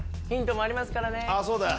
ヒントもありますからね。